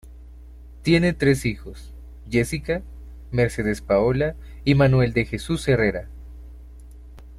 Tiene tres hijos: Jessica, Mercedes Paola y Manuel de Jesús Herrera.